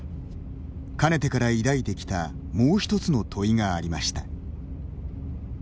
かねてから、抱いてきたもう一つの問いがありました。